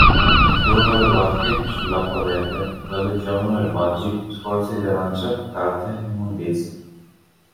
Intorno alle barche, sull'acqua verde, galleggiavano erbaggi, scorze di arancia, carte, immondezze.